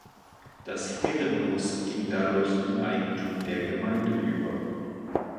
Das Herrenhaus ging dadurch in Eigentum der Gemeinde über.